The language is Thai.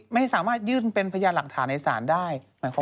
ไม่สามารถยื่นเป็นพยานหลักฐานในศาลได้